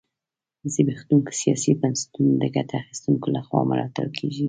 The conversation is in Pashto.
زبېښونکي سیاسي بنسټونه د ګټه اخیستونکو لخوا ملاتړ کېږي.